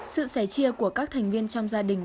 sự sẻ chia của các thành viên trong gia đình